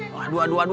aduh aduh aduh aduh